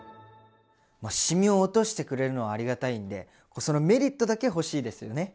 シミを落としてくれるのはありがたいんでそのメリットだけ欲しいですよね。